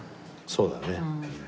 そうだね。